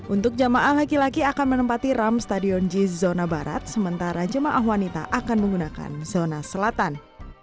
untuk jamaah laki laki akan menempati ram stadion jis zona barat sementara jemaah wanita akan menggunakan zona selatan